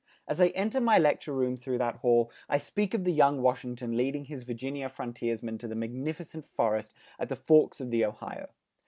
As I enter my lecture room through that hall, I speak of the young Washington leading his Virginia frontiersmen to the magnificent forest at the forks of the Ohio.